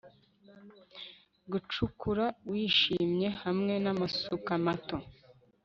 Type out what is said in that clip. gucukura wishimye, hamwe n'amasuka mato